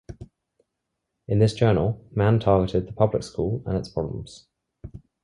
In this journal, Mann targeted the public school and its problems.